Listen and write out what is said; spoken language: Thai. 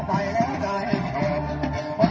สวัสดีครับทุกคน